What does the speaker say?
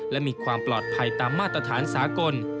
และมีความปลอดภัยตามมาตรฐานสากล